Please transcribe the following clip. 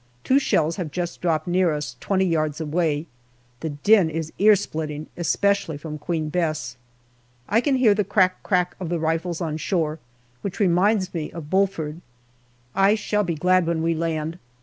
Two shells have just dropped near us, twenty yards away ; the din is ear splitting, especially from Queen Bess. I can hear the crack crack of the rifles on shore, which reminds me of Bulford. I shall be glad when we land.